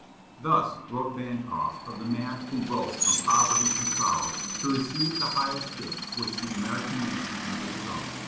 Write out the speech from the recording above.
Thus wrote Bancroft of the man who rose from poverty and sorrow to receive the highest gift which the American nation can bestow.